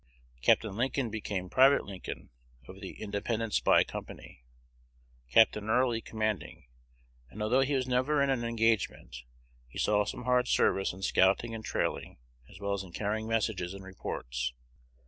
Capt. Lincoln became Private Lincoln of the "Independent Spy Company," Capt. Early commanding; and, although he was never in an engagement, he saw some hard service in scouting and trailing, as well as in carrying messages and reports.